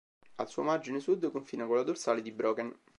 Al suo margine sud confina con la dorsale di Broken.